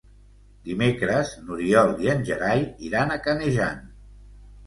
Dimecres n'Oriol i en Gerai iran a Canejan.